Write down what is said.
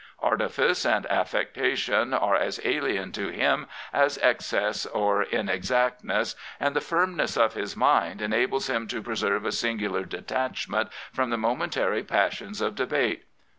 Artifice and affectation are as alien to him as excess or inexactness, and the firmness of his mind enables him to preserve a singular detachment from the momentary passions of debate.